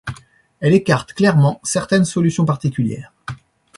Elle écarte clairement certaines solutions particulières.